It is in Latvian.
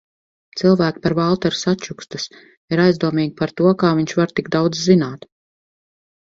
Cilvēki par Valteru sačukstas, ir aizdomīgi par to, kā viņš var tik daudz zināt.